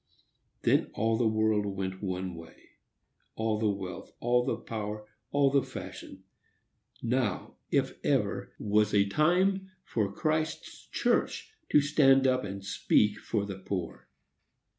Then all the world went one way,—all the wealth, all the power, all the fashion. Now, if ever, was a time for Christ's church to stand up and speak for the poor.